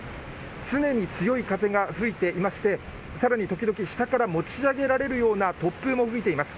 常に強い風が吹いていましてさらに時々、下から持ち上げられるような突風も吹いています。